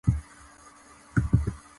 フィルターをつまみ、少し考え、また箱に戻す